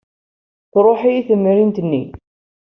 Truḥ-iyi temrint-nni.